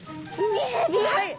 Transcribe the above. はい！